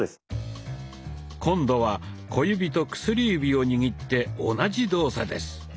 今度は小指と薬指を握って同じ動作です。